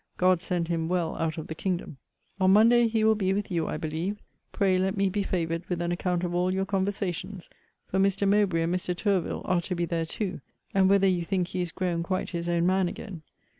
God send him well out of the kingdom! On Monday he will be with you, I believe. Pray let me be favoured with an account of all your conversations; for Mr. Mowbray and Mr. Tourville are to be there too; and whether you think he is grown quite his own man again.